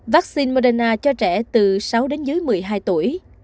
vaccine moderna cho trẻ từ sáu một mươi hai tuổi